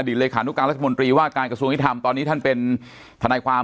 เลขานุการรัฐมนตรีว่าการกระทรวงยุทธรรมตอนนี้ท่านเป็นทนายความ